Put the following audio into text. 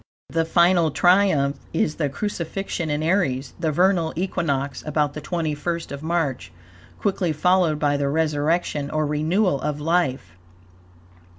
The final triumph is the crucifixion in Aries, the vernal equinox, about the twenty first of March, quickly followed by the resurrection, or renewal of life.